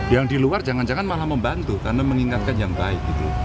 yang di luar jangan jangan malah membantu karena mengingatkan yang baik